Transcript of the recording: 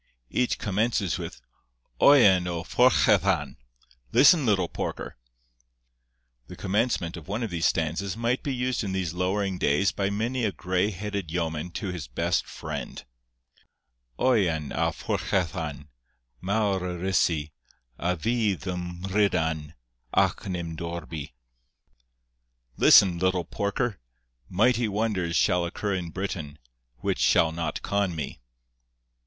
Each commences with 'Oian a phorchellan'—listen, little porker! The commencement of one of these stanzas might be used in these lowering days by many a grey headed yeoman to his best friend:— 'Oian a phorchellan: mawr eryssi A fydd ym Mhrydan, ac nim dorbi. Listen, little porker! mighty wonders Shall occur in Britain, which shall not con me.